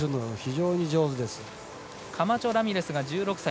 カマチョラミレスが１６歳。